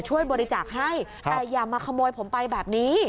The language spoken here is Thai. ช่วยบริจาคให้แต่อย่ามาขโมยผมไปแบบนี้